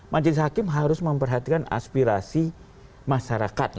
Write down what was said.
majelis hakim harus memperhatikan aspirasi masyarakat